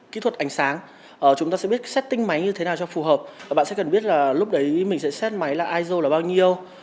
kỹ thuật ánh sáng studio là bao nhiêu